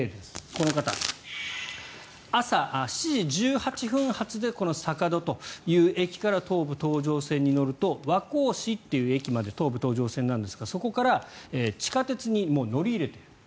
この方、朝７時１８分発でこの坂戸という駅から東武東上線に乗ると和光市という駅まで東武東上線なんですがそこから地下鉄に乗り入れている。